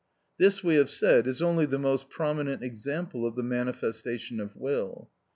This, we have said, is only the most prominent example of the manifestation of will.